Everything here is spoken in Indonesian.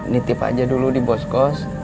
tulis aja dulu ya bos kos